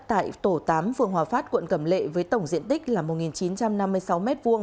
tại tổ tám phường hòa phát quận cẩm lệ với tổng diện tích là một chín trăm năm mươi sáu m hai